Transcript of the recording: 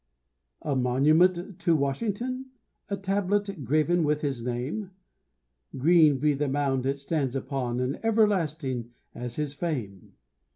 A monument to Washington? A tablet graven with his name? Green be the mound it stands upon, And everlasting as his fame!